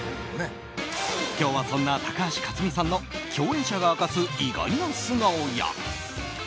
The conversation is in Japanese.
今日はそんな高橋克実さんの共演者が明かす意外な素顔や。